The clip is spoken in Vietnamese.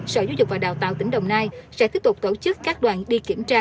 sở giáo dục và đào tạo tỉnh đồng nai sẽ tiếp tục tổ chức các đoàn đi kiểm tra